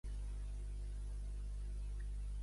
Dona amb camisa blanca somriu al seu menjar.